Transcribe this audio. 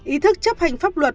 ý thức chấp hành pháp luật